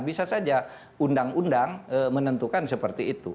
bisa saja undang undang menentukan seperti itu